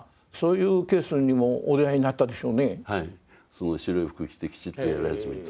その白い服着てきちっとやり始めた。